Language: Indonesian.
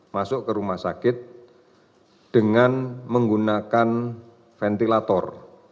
masuk ke rumah sakit dengan menggunakan ventilator